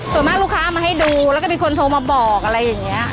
ส่วนมากลูกค้าเอามาให้ดูแล้วก็มีคนโทรมาบอกอะไรอย่างนี้